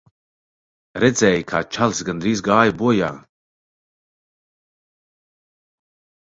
Redzēji, kā čalis gandrīz gāja bojā.